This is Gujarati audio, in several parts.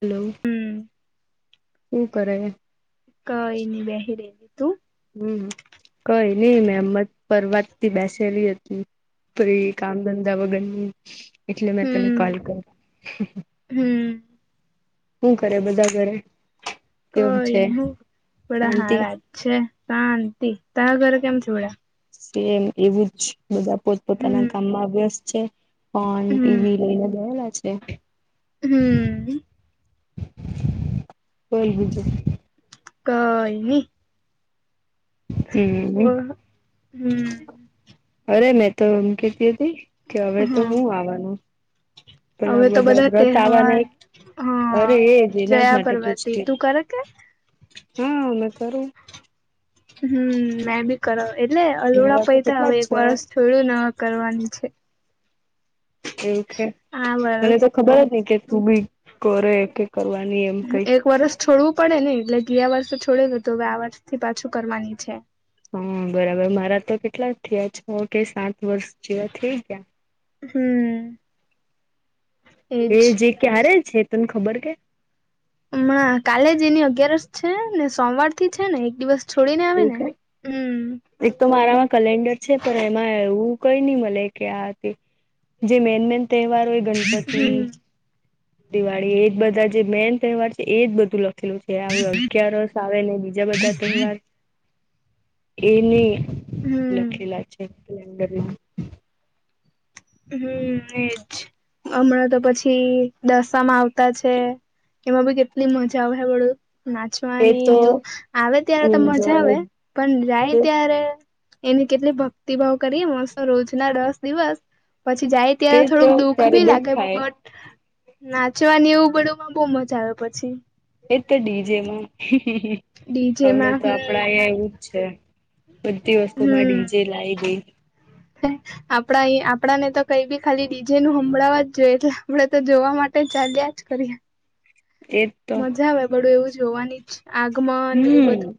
હલ્લો હમ શું કરે હે? ક એની બહેરેલી તું હમ્મ કઈ નહું મેંમત પરવાત થી બેસેલી હતી. પી કામ ધંધા વગરની એટલે મેં તને હમ કોલ કરી. હમ શું કરે બધા ઘરે. કેમ કઈ છે નઈ હું બડા શાંતિ. હારા જ છે શાંતિ તારા ઘરે કેમ છે બધા. સી એમ એવું જ બધા પોતપોતાના હમ કામમાં અ વેસ્ટ છે. ફોન ટીવી લઈને ગયેલા છે. હમ્મ. બોલ બીજું. કઈ ની હમ ઓ હમ્મ. અરે મેં તો એમ કેતી હતી કે હવે તો હા હું આવવાનું પેલા હવે તો બધા વ્રત આવાના તહેવાર હિ હા અરે એજ એના જ જયા માટે પર્વતી પૂછતી તું કરે કે હા મે કરું. હમ્મ મેં બી કરાવ એટલે અલડા મારા તો પૈસા આવે કેટલા હવે જ એક છે વરસ થોડું નવા કરવાની છે. એવું છે આ મને તો ખબર વરસથી જ હી કે તું બી કરે કે કરવાની એમ કઈ એક વર્ષ છોડવું પડે નને એટલે ગયા વર્ષ છોડેલ તો હવે આ વર્ષ થી પાછું કરવાની છે. હા બરાબર મારા તો કેટલા થયા છ કે સાત વર્ષ જેવા થેય ગયા હમ્મ. એ જે ક્યારે છે, તને ખબર કે અમણાં કાલે જ એની અગિયારસ છે, ને સોમવાર થી છે, ને એક દિવસ છોડીને એવું આવેને કે હમ્મ એક તો મારામાં કેલેન્ડર છે, પણ એમાં એવું કઈ ની મલે કે આ તે જે મેન મેન તહેવાર હોય ગણપતિ હમ દિવાળી એજ બધા જે મેન તહેવાર છે, એજ બધું લખેલું છે. આવે અગિયારસ આવે ને બીજા બધા તહેવાર એની હમ. લખેલા છે, કલેનદરમા હમ એજ હમણાં તો પછી દશામાં આ તા છે, એમાં બી કેટલી મજા આવહે વડુ ના એ ચવાની ને એવું તો આવે ત્યારે તો મજા એન્જોય આવે પણ જાય તે ત્યારે એની કેટલી ભક્તિભાવ કરીએ [unintelligible] રોજ ના દસ દિવસ પછી જાય ત્યારે તો થોડુંક દુઃખ ત્યારે ભી લાગે થાય બટ નાચવાની એવું બડુમાં બો મજા આવે પછી એક તો ડીજેમાં હવેડે ડીજેમાં તો હમ આપડા અહીયા એવું જ છે. બધી વસ્તુમાં હમ ડીજે લાય દે [inaudible] આપણા આપણા ને તો કઈ બી ખાલી ડીજે નું હમભળાવા જ જોઈએ એટલે આપડે તો જોવા માટે ચાલ્યા કરીએ એજ તો મજા આવે બડું એવું જોવાની જ આગમન એવું હમ બધું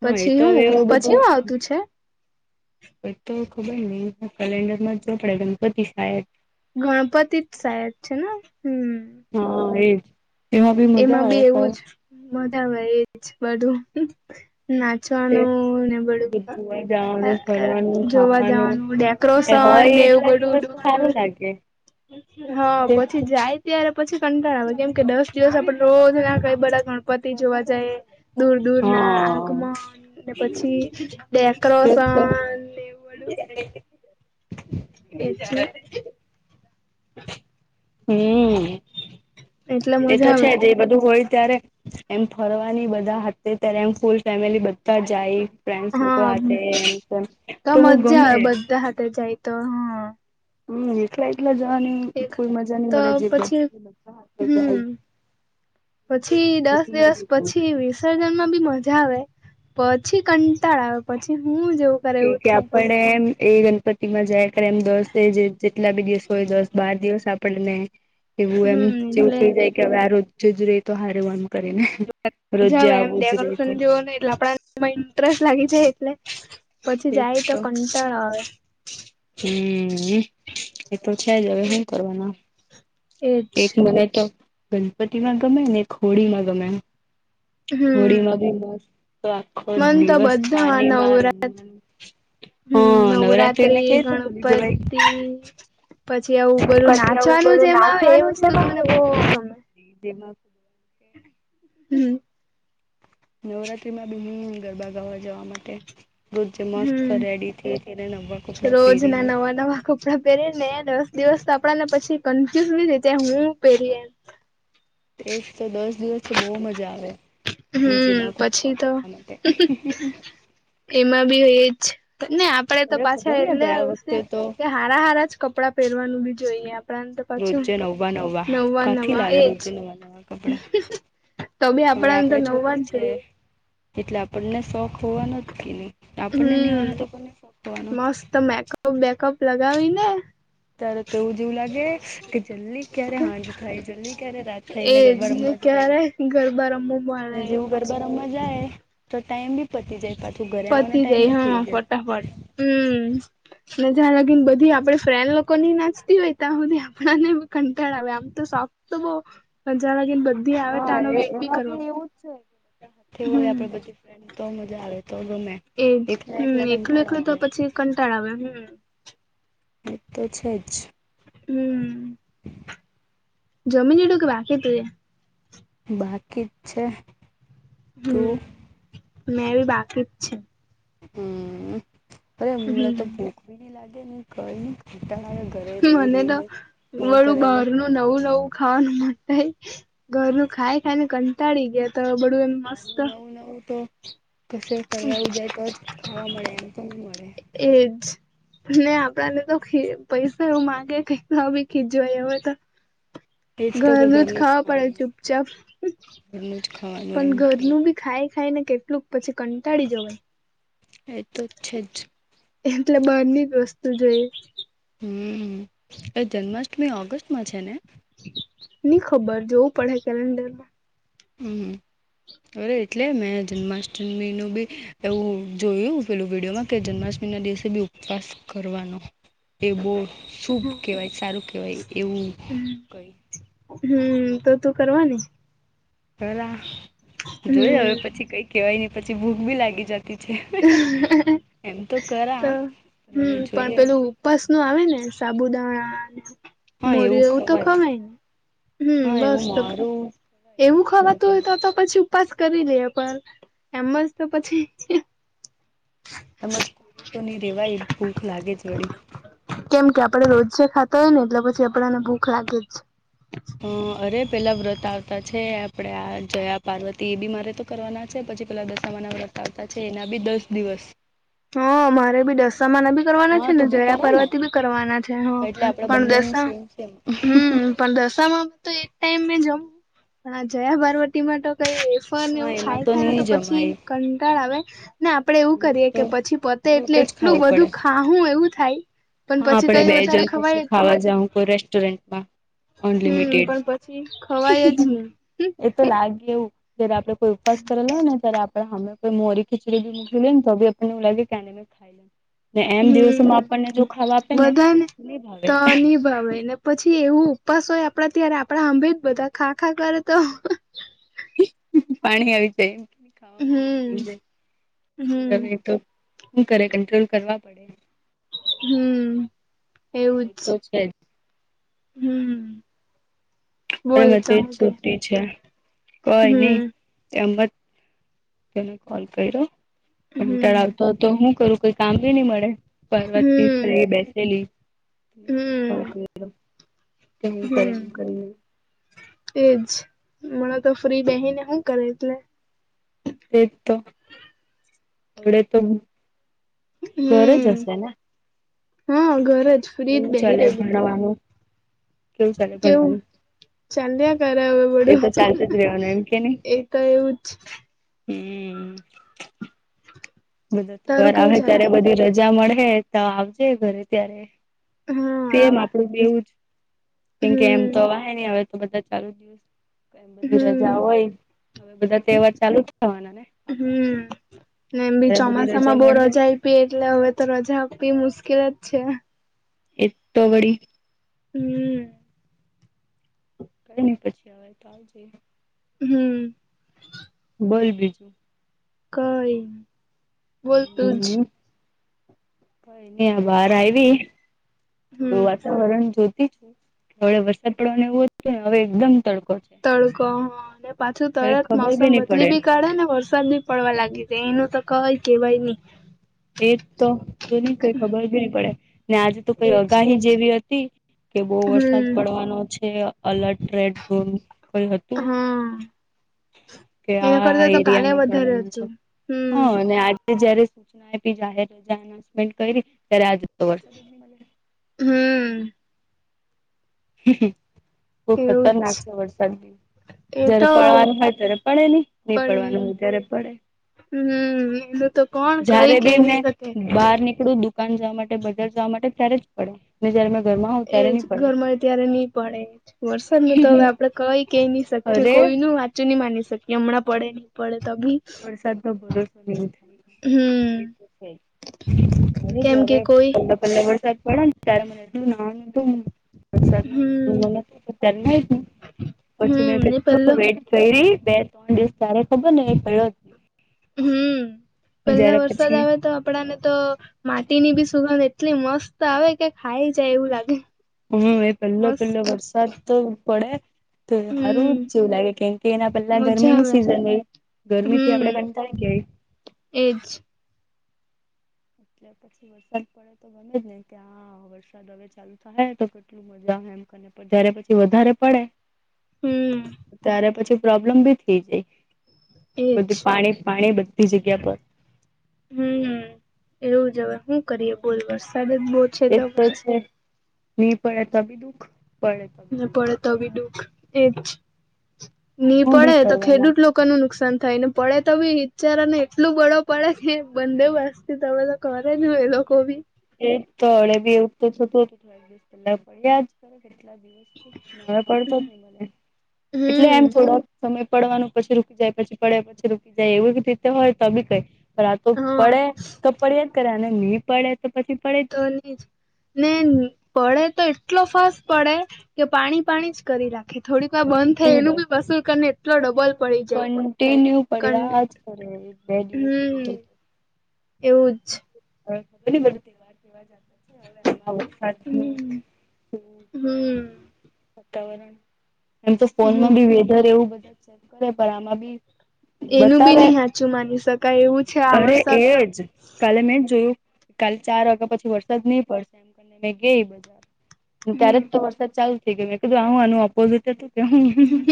હા એ પછી તો હું હવે એવું પછી હુ આવતું છે? એક તો ખબર નહી કેલેન્ડરમાં જ જોવા પડે ગનપતી શાયદ ગણપતિ જ સાયદ છે, ને હમ હા એજ એમાં બી મજા આવે [unintelligible] મોટા ભાઈ એજ બધું ના તે ચવાનુ ને બધુ બધું જવાનું ફરવાનું જોવા ખાવાનું જવાનું ડે ક્રોશન હોય એટલા દિવસ તો સારું લાગે નેવુંબધું [unintelligible] હ પછી જાય ત્યારે પછી કંટાળ આવે કેમ કે દસ દિવસ આપ રોજ કઈ બધા ગણ પતિ જોવા જાયે દૂર દૂર ના હા આગમન ને પછી ડેક્રોસન ને એવુ બધું એજ ને હમ એટલે એતો મજા છે, આવે જ એ બધું હોય ત્યારે એમ ફરવાની બધા હાથે ત્યારે એમ ફૂલ ફેમિલી બધા જાય ફ્રેન્ડસ લોકો હા હાથે એમ તેમ તો તોહુ મજા ગમે [unintelligible] જાય તો હ હમ એટલા એકલા જવાની એક કોઈ મજા ની તો મળે જે બ પછી જે બધા હાથે જાય હમ પછી દસ દિવસ પછી વી સજનમાં જાવ આવે પછી કંટાળ આવે પછી હું જેવુ કેય કે આપડે એમ એ ગણપતિમાં જાય [unintelligible] કેટલા બી દિવસ હોય દસ બાર દિવસ આપણને એવું એમ હમ જેવું એટલે થે જાય કે અવે આ રોજ જ રેય તો હારવાનું મજા આવે એમ ડેકોરેશન તો જોવોનુ એટલે આપડા માં ઇન્ટરેસ્ટ લાગી જાય એટલે પછી જાય તો કંટાળ આવે હમ એતો છે, જ અવે હુ કરવાના એજ એક મને તો ગણપતિમાં ગમે ને એક હોળીમાં ગમે હમ હોળીમાં બી મસ્ત તો આખો મન તો દિવસ બધામાં પાણીમાં નવરા રમવાનુ હ હમ નવરાત્રીને કે નવરાત્રી તે ભૂલી જવાઈ ગણપતિ પછી આવું બધું પછી આવું નાચવાનું બધું જેમાં આવે એ નાચવાનું જ વસ્તુ તો મને બહુ ગમે [unintelligible] એ જેમાં. હમ. નવરાત્રીમાં બી ગરબા ગાવા જવા માટે. રોજે મસ્ત હમ રેડી થઈ હતીને નવા કપડાં પહેરીને. આપણે પહેરીને દસ દિવસ તો આપ ને પછી કન્ફ્યુઝ રેતે શુ પહેરી. એજ તો દસ દિવસ તો બહુ મજા આવે. હમ ડીજેમાં કુદકા પછી તો. મારવા માટે એમાં બીજ ને આપડે તો અરે ખબર પાછા ને એટલે ગયા આવશે. વખતે તો હારા હારા જ કપડાં પહેરવાનું બી જોઈએ આપ. ઉપરાંત પાછું રોજે નવા નવા કાંથી નવા લાવે એજ. રોજે નવા નવા કપડાં તો બી હવે આપડા અંદર આપણે નવ વા જ છોકરી છે જોયું. એટલે આપણને શોખ હોવાનો જ કે નહી આપણને નવાનો તો પણ ન શોખ હોવાનો. તો મેકઅપ બેકઅપ લગાવી ને. ત્યારે તેવું જેવું લાગે કે જલ્દી ક્યારે હાંજ થાય જલ્દી ક્યારે રાત થાય એજ ગરબા ને રમવા જાય. ક્યારે ગરબા. રમવું હ મળે જેવું એવું ગરબા રમવા જાય. તો ટાઈમ બી પતી જાય પાછું ઘરે આવવાનો ટાઈમ બી થઈ જાય. કવાડ. હમ. મજા લાગી ને બધી આપડે ફ્રેન્ડ લોકો ની નાચતી હોય તો આ બધી આપને કંટાળ આવે આમ તો શોખ. તો બો પંજાર ગીન બંધ. હા એવું જ છે પડે હોય આપ હમ બધ ફ તો મજા આવે તો ગમે. એજ એકલા એકલા હમ એકલું કંટાળો એકલું તો આવે પછી કંટાળ આવે હમ. એ તો છે જ. હમ. [inaudible] જમીન હડું ભ બાકેતે. બાકી જ છે હમ તું. મેં બી બાકી જ છે. હમ અરે હળ તો હમ ભૂખ ભી ન લાગે ને. ઘર ની ઘટા ઘરે રહી મને રહી ને તો હું કર. બધું બહારનું નવું નવું ખાવાનું મ ઘર ન ખાઈ ખાઈ ને કંટાળી ગયા. તો બધું એમ બાર મસ્ત નનું નવું નવું તો. કશે ફરવા જાય તો, જ ખાવા મળે, એમ તો ન મળે. એ જ. અને આપડા ને તો પૈસા એવું માંગે કઈ ભી ખીજવાય હવે તો. એજ તો કે ઘરનું જ ખાવા પડે ખાવાનું ચુપચાપ ઘરનું જ ખાવાનું પણ એમ કે ઘરનું બી. ખાઈ ખાઈ ને કેટલુંક પછી કંટાળી જવાય. એ તો છે જ. એટલે બની જ વસ્તુ જોઈ. હમ એ જન્માષ્ટમી ઓગસ્ટમાં છે ને. નઈ ખબર જોવું પડે કેલેન્ડર માં. હમ હ. બ એટલે મેં જન્માષ્ટમીનું બી એવું જોયું પેલું વિડીયોમાં. કે જન્માષ્ટમી ના દિવસે બી ઉપવાસ કરવાનો. એ બહુ શુભ કહેવાય સારું કહેવાય એવું કહી. હમ તો તું કરવાની. પેલા જોય હવે હમ પછી કઈ કેવાય નહી પછી ભૂખ ભી લાગી જ. છે એમ. તો હવે હમ પણ જોઈએ પેલું ઉપસ નું આવે ને સાબુદાણા મરીયુ એવું તો ખવાય ને હમ હા બસ એવું તો મારું એવું ખાવાતું હોય તો તો પછી ઉપાસ કરી લેએ પર એમજ તો પછી એમજ તો ની રહેવા એ ભૂખ લાગે જ થોળી કેમ કે આપડે રોજે ખાતા હોય ને એટલે પછી આપણને ભૂખ લાગે જ અ અરે પેલા વ્રત આવતા છે આપડે આ જયા પાર્વતી એ બી મારે તો કરવાના છે પછી પેલા દશમા ના વ્રત આવતા છે એના બી દસ દિવસ હા મારે બી દસામા ના બી કરવાના છે, હા ને તું જયા પર્વતી બી કરવાના છે હ આપડે પણ બંને ન દશા સેમ સેમ. હમ પણ દસામાં તો એક ટાઈમ મે જમુ પણ આ જયા પારવતીમાં તો કઈ ની. વેફરને હા એવું એમાં ખાય કાઢે ને નહી તો પછી જમાય કંટાળ આવે ને આપડે એવું એમાં કરીએે તો કે પછી પતે ફ્રૂટ એટલે જ એટલું ખાવું પડે બધું ખાહુ એવું થાય. પણ હા પછી આપડે કઈ બે વધારે જણ કશે ખવાય જ ખાવા જાહુ કોઈ રેસ્ટોરન્ટમાં. હમ અનલિમિટેડ પણ પછી ખવાય જ નહી એતો લાગે એવું જયારે આપડે કોઈ ઉપવાસ કરેલો હોય ને ત્યારે પણ હમે કોઈ મોરી ખિચડી ભી મુકેલીને તો બી આપડને એવું લાગે કે આને શું ખાઈ ને એમ દિવસોમાં હમ આપણને જો ખાવા આપે ને તો ની ભાવે ની આવે ને પછી એવું ઉપવાસ હોય આપડા ત્યારે આપડા સાભે બધા ખા ખા કરે તો પાણી આવી હમ જાય. હમ હુ કરે કંટ્રોલ કરવા પડે હમ એ એવુંજ. તો છે જ હમ. અ જ બોલતો સુતી છે કોઈ નઈ હમ એમજ ને કોલ કર્યો કટળો હમ આવતો હતો હું કરું કોઈ કામ બી નહી મળે. પર્વ હમ થી બેસેલી. હમ કેમ કરે? હમ એમ કરીએ. એજ મણા તો ફ્રી રહી ને, શું કરે એટલે? તે તો એડ તો ગરજ હમ હશેને. હા, ઘરે જ. ફ્રી જ કેવું બેહી ચાલે, રહેલી મે ભણવાનું કેવું ચાલે, કેવું ભણવાનું? ચાલ્યા કરે, હવે એ બડું તો ચાલતું જ રેવાનું એમ કે નહી એ તો એવું જ. હમ. હમ. બધો તહેવાર તારું કેવું આવે ચાલે ત્યારે બધી રજા મળે, તો આવજે ઘરે, ત્યારે હા તેમ આવા આપડું એવું જ, કેમકે એમ હમ તો આવા હે, નહી આવે. તો બધા ચાલુ જ દ બધી હમ રજા હોય, હ બધા તહેવાર ચાલુ જ થવાના ને. આપડા હમ, એમી ત્યારે બધી ચોમાસા માં બહુ મળે રજા એ પી એટલે હવે તો રજા આપવી મુશ્કેલ જ છે. એ તો ગડી. હમ. [unintelligible] હમ. બોલ બી. કઈ બોલતું જ. બાર આવી થોડું હમ વાતાવરણ જોતી. હ, વે વરસાદ પડવાનું એવું ને, હવે એકદમ તડકો. છે તડકો. હા, અને પાછું કઈ તરત ખબર બી મોસમ નહી પડે બદલી બી કાઢે ને, વર પડવા લાગી છે, એનું તો કય કેવાઈ ની એ તો જો નઈ કઈ ખબરી પડે ને, આજે તો કઈ એજ અગાહી જેવી હતી. કે બહ વરસાદ હમ પડવાનો છે અલર્ટ રેડ ઝોન ક હા કે એના આ કરતા તો કાલે એરિયામાં વધારે પડવાના છે હતું હા હમ. અને જયારે સૂચના [inaudible] હમ. બહ એવું જ ખતરનાક છે વરસાદની એ જયારે તો પડવાનું હોય ત્યારે પડે નહી નહીં પડવાનું પણ હોય ત્યારે પડે. હમ એલું તો કોણ કઈ જયારે બી કઈ ની મેં શકે. બહાર નીકળું દુકાન જવા માટે બજાર જવા માટે ત્યારે જ પડે ને જયારે મેં ઘરમાં હોઉં ત્યારે એજ ની પડે. ઘરમાં ત્યારે ની પડે જ વરસાદનું તો હવે આપડે કઈ કે ની શકીએ પડે અરે કોઈનું વાત સાચું ની માની શકીએ હમણાં પડે ની પડે તો બી વરસાદ નો ભરોસો ની થાય. હમ એતો છે, [unintelligible] અરે કેમ કે જ્યારે કોઈ પેલો પેલો વરસાદ પડ્યોન ત્યારે મને એટલું નાવાનું હતું. વરસાદમાં નાવનું હમ મન હતું [unintelligible] પછી મેં હમ ને કેટલો પેલો વેટ કૈરી બે ત્રણ દિવસ ત્યારે ખબર ને પૈડા હમ, પેલા જયારે વરસાદ પછી આવે તો આપડા ને તો માટી ની બી સુગંધ એટલી મસ્ત આવે કે ખાઈ જાય એવું લાગે. હમ, એ પેલો પેલો મસ્ત વરસાદ તો પડે તો હારુ હમ જ જેવું લાગે કેમ કે એના પેલા મજા ગરમીની આવે સિઝન હોઇ. ગરમીથી હમ આપડે કંટાળી ગયાઈ. એજ. એટલે પછી વરસાદ પડે તો બને જ ને કે આવે વરસાદ હવે ચાલુ થાહે તો કેટલું મજા આવે એમ કરે જારે પછી વધારે પડે હમ ત્યારે પછી પ્રોબ્લેમ બી થઈ જઈ. એજ બધી પાણી પાણી બધી જગ્યા પર. હમ એવું જ હવે હું કરીએ બોલ વરસાદ જ બો એજ તો છે ની પડે તો બી દુઃખ પડે તો બી ને દુઃખ પડે તો બી દુઃખ એજ, ની હું પડે બી તો કરવાના ખેડૂત લો કો નું નુકસાન થાય ને પડે તો બી બિચારાને એટલું બળો પડે કે બંને બાજથી તમે તો કરે હું એ લોકો બી. એજ તો હમણે બી એવું તો થતું હતું થોડાક દિવસ પેલા પડ્યા જ કેટલા દિવસથી ને હવે પડતો જ નહીં મળે એટલે એમ હમ થોડાક સમય પડવાનું પછી રૂકી જાય પછી પડ્યા પછી રૂકી જાય એવી રીતે હોય તો બી કઈ પણ આ તો હા પડે તો પડયાજ કરે અને ની પડે તો પછી પડે જ તો ની જ, ને પડે તો એટલો ફાસ્ટ પડે કે પાણી પાણી જ કરી રાખે થોડીક વાર બંધ થાય નહી એનું બધી બી વસુલ કરીને એટલો ડબલ પડી જાય. તે ન્યુ પડે કં આજ કરે બે દિવસ હમ સુધી તો. એવું જ. હવે ખબર ની બધું તહેવાર કેવાર [unintelligible] છે હવે આજનું હમ શું છે હમ વાતાવરણ એમ તો ફોનમાં હમ બી વેધર એવું બધા ચેક કરે પણ આમાં બી એનું બી ની બતાવે હાચું માની શકાય એવું છે આ અરે એ વરસાદ તો કાલે મેં જોયું કાલ ચાર વાગ્યા પછી વરસાદ નઈ પડશે એમ કરીને મે ગેઇ બજાર અન હમ ત્યારેજ તો વરસાદ ચાલુ થઇ ગયો મેં કીધું આ હું આનું ઓપોઝિટ હતું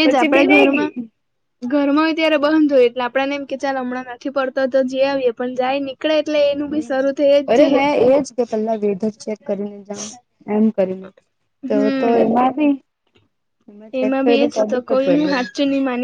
એજ પછી આપડા બીનઈગી. ઘરમાં ઘરમાં હોય ત્યારે બંધ હોય એટલે આપડાને એમ કે ચાલ હમણાં નથી પડતો તો જીઆવીએ પણ જાય ને હમ, અરે મે એજ કે પેલા વેધર ચેક કરીને જામ એમ કરીને. તો તો હમ એમાં બી, મેં ચેક એમાં કર્યું એજ તો બી ખૂબ કોઈનું પૈડ્યો. હાચું ની માની